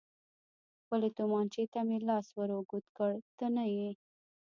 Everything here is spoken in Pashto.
خپلې تومانچې ته مې لاس ور اوږد کړ، ته نه یې.